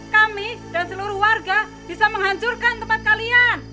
kami dan seluruh warga bisa menghancurkan tempat kalian